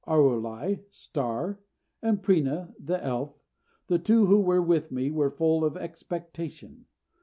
Arulai (Star) and Preena (the Elf), the two who were with me, were full of expectation.